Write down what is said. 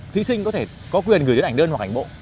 thí sinh có thể có quyền gửi đến ảnh đơn hoặc ảnh bộ